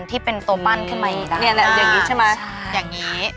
ที่เป็นตัวปั้นขึ้นมาอีกนะอย่างนี้ใช่ไหมอย่างนี้